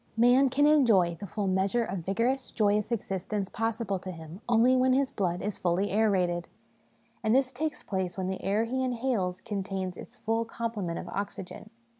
Man can enjoy the full measure of vigorous joyous existence possible to him only when his blood is fully aerated ; and this takes place when the air he inhales contains its full complement of oxygen.